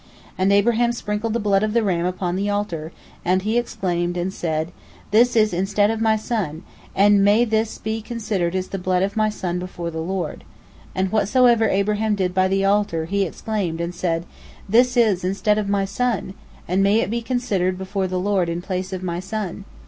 And Abraham sprinkled the blood of the ram upon the altar, and he exclaimed, and said, "This is instead of my son, and may this be considered as the blood of my son before the Lord." And whatsoever Abraham did by the altar, he exclaimed, and said, "This is instead of my son, and may it be considered before the Lord in place of my son."